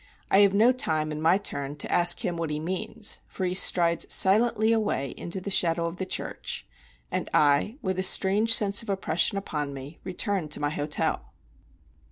I have no time, in my turn, to ask him what he means; for he strides silently away into the shadow of the church, and I, with a strange sense of oppression upon me, returned to my hotel.